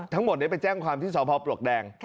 ทุกคนก็โยกไปแจ้งศาลภาพปลวกแดง